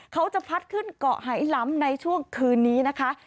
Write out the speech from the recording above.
เขาจะพัดขึ้นเกาะไหล้ำในช่วงคืนนี้นะคะ